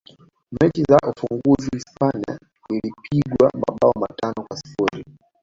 mechi za ufunguzi hispania ilipigwa mabao matano kwa sifuri